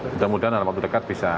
mudah mudahan dalam waktu dekat bisa